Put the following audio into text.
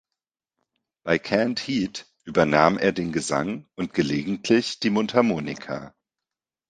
Bei Canned Heat übernahm er den Gesang und gelegentlich die Mundharmonika.